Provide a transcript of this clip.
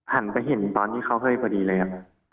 หันไปเห็นตอนที่เขาเฮ้ยพอดีเลยครับ